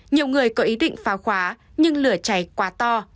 nhiều người có ý định phá khóa nhưng lửa cháy quá to